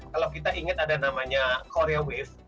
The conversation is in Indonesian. kalau kita ingat ada namanya korea wave